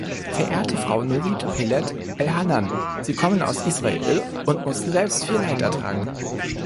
Verehrte Frau Nurit Peled-Elhanan, Sie kommen aus Israel und mussten selbst viel Leid ertragen.